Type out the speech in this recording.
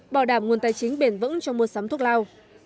bảo đảm nguồn tài chính bền vững cho mua sắm thuốc lao